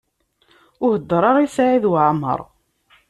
Ur heddeṛ ara i Saɛid Waɛmaṛ.